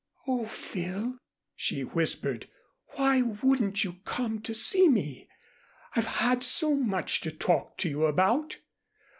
"Oh, Phil!" she whispered. "Why wouldn't you come to see me? I've had so much to talk to you about."